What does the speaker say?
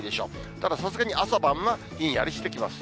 たださすがに朝晩はひんやりしてきます。